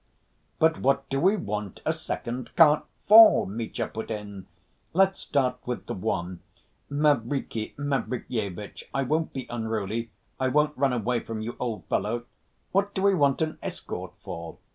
"But what do we want a second cart for?" Mitya put in. "Let's start with the one, Mavriky Mavrikyevitch. I won't be unruly, I won't run away from you, old fellow. What do we want an escort for?"